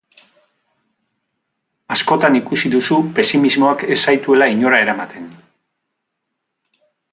Askotan ikusi duzu pesimismoak ez zaituela inora eramaten.